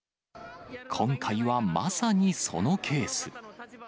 今回はまさにそのケース。